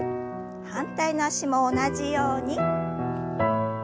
反対の脚も同じように。